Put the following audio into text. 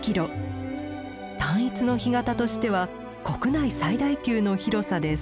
単一の干潟としては国内最大級の広さです。